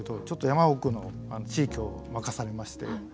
ちょっと山奥の地域を任されまして。